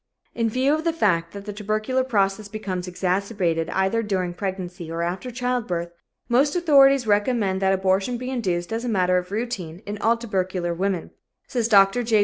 "In view of the fact that the tubercular process becomes exacerbated either during pregnancy or after childbirth, most authorities recommend that abortion be induced as a matter of routine in all tubercular women," says Dr. J.